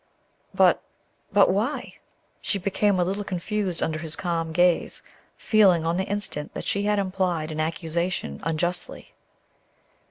"But but why?" She became a little confused under his calm gaze, feeling on the instant that she had implied an accusation unjustly.